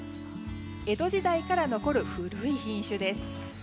江戸時代から残る古い品種です。